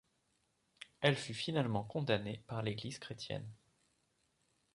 Elle fut finalement condamnée par l'Église chrétienne.